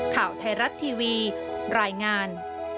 ข่าวไทยรัฐทีวีรายงาน